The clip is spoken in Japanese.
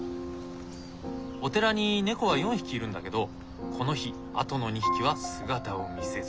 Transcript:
お寺に猫は４匹いるんだけどこの日あとの２匹は姿を見せず。